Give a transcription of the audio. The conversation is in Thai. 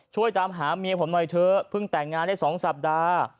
ช่วยตามหาเมียผมหน่อยเถอะเพิ่งแต่งงานได้๒สัปดาห์